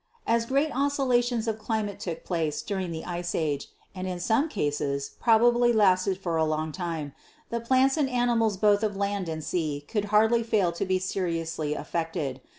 "As great oscillations of climate took place during the Ice Age and in some cases probably lasted for a long time, the plants and animals both of land and sea could hardly fail to be seriously affected.